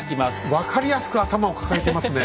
分かりやすく頭を抱えてますね。